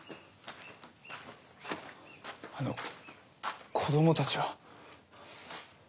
あの子どもたちは？